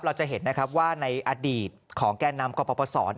เราจะเห็นนะครับว่าในอดีตของแก่นำกปศ